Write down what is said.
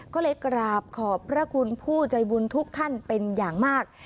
ก็เลยกราบขอบพระคุณผู้ใจบุญทุกท่านเป็นอย่างมาก